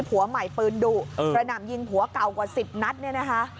ผัวใหม่ปืนดุกระหน่ำยิงผัวเก่ากว่า๑๐นัดเนี่ยนะคะ